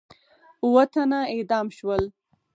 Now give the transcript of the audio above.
اووه تنه اعدام شول.